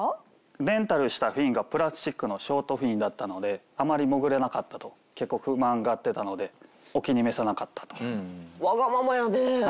レンタルしたフィンがプラスチックのショートフィンだったのであまり潜れなかったと結構不満がってたのでお気に召さなかったと。